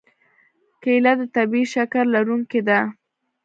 کېله د طبیعي شکر لرونکې ده.